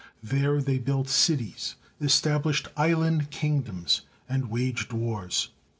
There they built cities, established island kingdoms, and waged wars.